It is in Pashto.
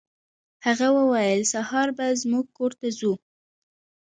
هغه وویل سهار به زموږ کور ته ځو.